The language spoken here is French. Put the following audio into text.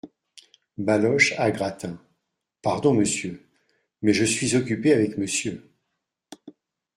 Baloche , à Gratin. — Pardon, monsieur : mais je suis occupé avec monsieur.